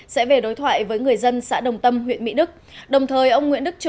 sẽ về đối thoại với người dân xã đồng tâm huyện mỹ đức